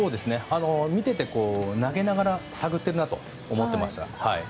見ていて、投げながら探っているなと思ってました。